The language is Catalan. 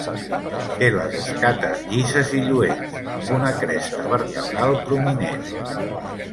Té les escates llises i lluents, amb una cresta vertebral prominent.